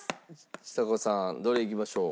ちさ子さんどれいきましょう？